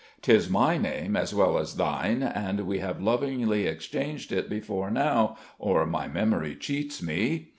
"'Tis my name as well as thine, and we have lovingly exchanged it before now, or my memory cheats me."